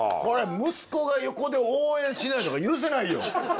これ息子が横で応援しないのが許せないよ！